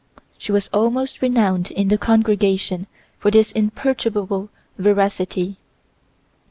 She was almost renowned in the congregation for this imperturbable veracity.